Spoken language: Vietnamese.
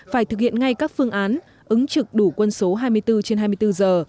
phải thực hiện ngay các phương án ứng trực đủ quân số hai mươi bốn trên hai mươi bốn giờ